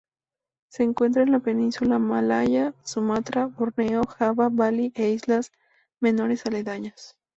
Se encuentra en la península malaya, Sumatra, Borneo, Java, Bali e islas menores aledañas.